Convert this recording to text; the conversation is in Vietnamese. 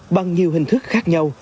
bằng nhiều hình thức khác nhau